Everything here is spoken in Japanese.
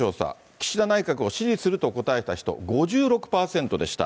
岸田内閣を支持すると答えた人５６％でした。